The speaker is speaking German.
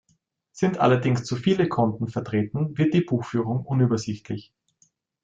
Sind allerdings zu viele Konten vertreten, wird die Buchführung unübersichtlich.